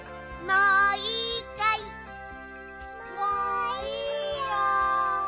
・もういいよ！